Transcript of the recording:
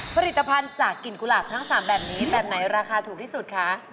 ผลิตภัณฑ์จากกลิ่นกุหลาบทั้ง๓แบบนี้แบบไหนราคาถูกที่สุดคะ